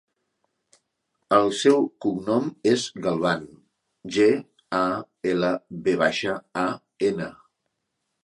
El seu cognom és Galvan: ge, a, ela, ve baixa, a, ena.